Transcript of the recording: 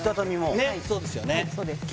ねっそうですよね？